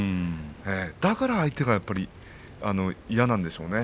だから相手がやっぱり嫌なんでしょうね。